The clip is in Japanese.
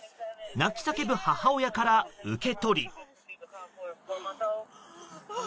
泣き叫ぶ母親から受け取り。